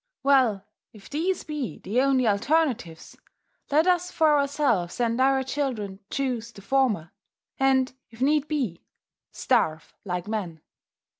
"Well, if these be the only alternatives, let us for ourselves and our children choose the former, and, if need be, starve like men.